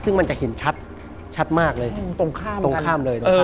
ซึ่งมันจะเห็นชัดมากเลยตรงข้ามเลย